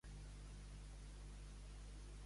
La música se sent massa suau.